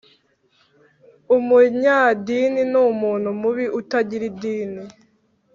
umunyadini, n'umuntu mubi utagira idini,